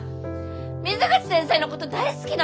水口先生のこと大好きだもんね！